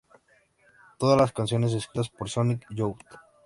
Todas las canciones escritas por Sonic Youth